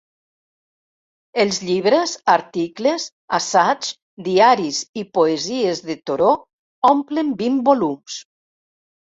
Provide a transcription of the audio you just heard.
Els llibres, articles, assaigs, diaris i poesies de Thoreau omplen vint volums.